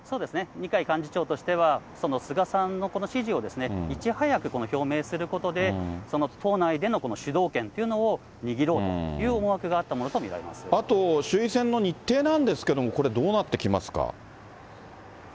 二階幹事長としては、その菅さんの支持をいち早く表明することで、党内での主導権というのを握ろうという思惑があったものと見られあと、衆院選の日程なんですけれども、これ、どうなってきますか。